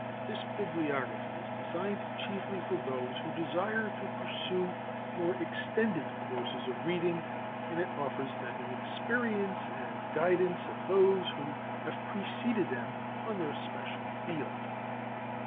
This bibliography is designed chiefly for those who desire to pursue more extended courses of reading, and it offers them the experience and guidance of those who have preceded them on their special field.